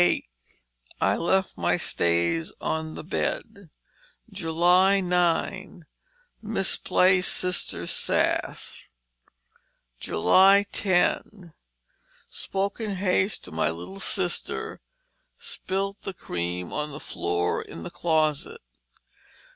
I left my staise on the bed. " 9. Misplaced Sister's sash. " 10. Spoke in haste to my little Sister, spilt the cream on the floor in the closet.